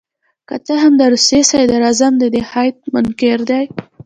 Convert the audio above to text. که څه هم د روسیې صدراعظم د دې هیات منکر دي.